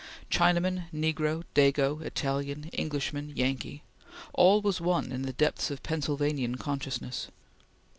Chinaman, negro, Dago, Italian, Englishman, Yankee all was one in the depths of Pennsylvanian consciousness.